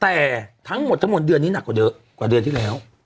แต่ทั้งหมดทั้งหมดเดือนนี้หนักกว่าเดือนที่แล้ว